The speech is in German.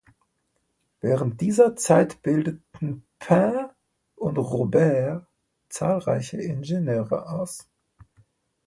Während dieser Zeit bildeten Pain und Roberts zahlreiche Ingenieure aus.